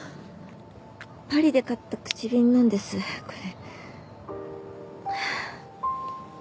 パリで買った口紅なんですこれ。